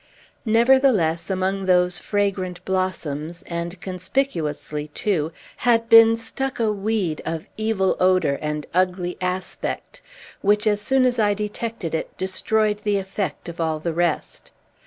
Nevertheless, among those fragrant blossoms, and conspicuously, too, had been stuck a weed of evil odor and ugly aspect, which, as soon as I detected it, destroyed the effect of all the rest.